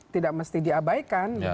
tidak mesti diabaikan